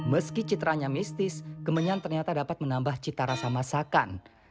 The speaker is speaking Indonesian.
meski citranya mistis kemenyan ternyata dapat menambah cita rasa masakan